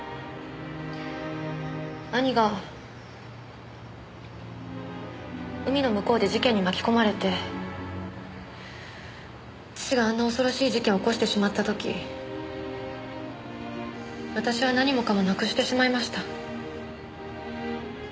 兄が海の向こうで事件に巻き込まれて父があんな恐ろしい事件を起こしてしまった時私は何もかもなくしてしまいました。